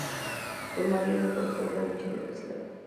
Su marido es profesor en dicha Universidad.